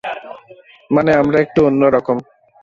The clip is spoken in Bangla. মানে আমরা একটু অন্যরকম।